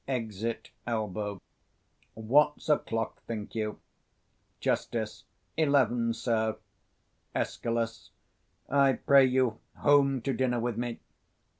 [Exit Elbow. What's o'clock, think you? Just. Eleven, sir. Escal. I pray you home to dinner with me.